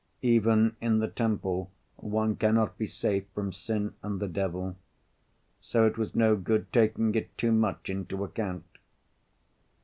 Even in the temple one cannot be safe from sin and the devil. So it was no good taking it too much into account."